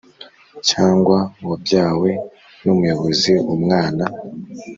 cyangwa wabyawe n umuyobozi umwana